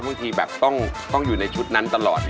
บางทีแบบต้องอยู่ในชุดนั้นตลอด